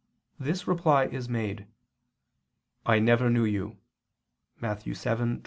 this reply is made: "I never knew you" (Matt. 7:22, 23).